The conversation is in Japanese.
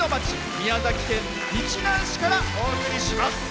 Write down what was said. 宮崎県日南市からお送りします。